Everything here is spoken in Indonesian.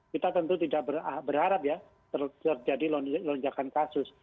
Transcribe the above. kita tentu tidak berharap ya terjadi lonjakan kasus